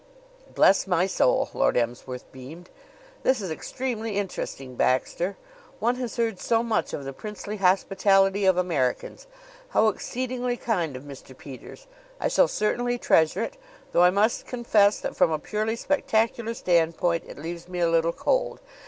"Bless my soul!" Lord Emsworth beamed. "This is extremely interesting, Baxter. One has heard so much of the princely hospitality of Americans. How exceedingly kind of Mr. Peters! I shall certainly treasure it, though I must confess that from a purely spectacular standpoint it leaves me a little cold.